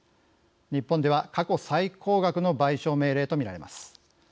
日本では過去最高額の賠償命令と見られます。